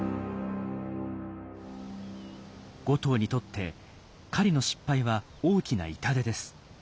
５頭にとって狩りの失敗は大きな痛手です。